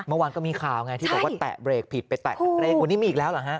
เมื่อวานก็มีข่าวไงที่บอกว่าแตะเบรกผิดไปแตะคันเร่งวันนี้มีอีกแล้วเหรอฮะ